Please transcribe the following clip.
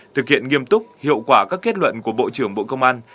thực hiện nghiêm túc hiệu quả các kết luận của bộ trưởng bộ công an